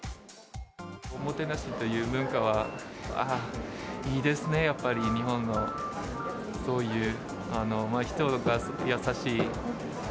おもてなしという文化は、あー、いいですね、やっぱり、日本のそういう、人が優しい。